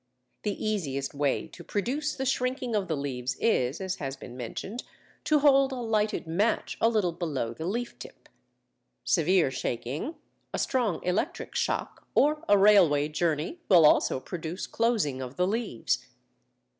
The easiest way to produce the shrinking of the leaves is, as has been mentioned, to hold a lighted match a little below the leaf tip. Severe shaking, a strong electric shock, or a railway journey will also produce closing of the leaves.